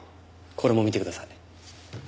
これも見てください。